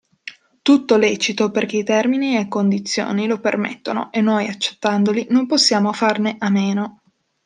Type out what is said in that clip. Tutto lecito perché i termini e condizioni lo permettono e noi accettandoli non possiamo farne a meno.